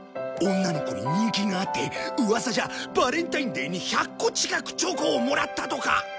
女の子に人気があってうわさじゃバレンタインデーに１００個近くチョコをもらったとか。